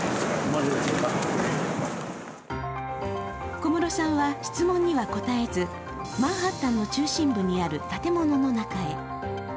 小室さんは質問には答えず、マンハッタンの中心部にある建物の中へ。